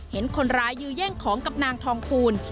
เห็นคนร้ายยื้อแย่งของกับนางทองภูล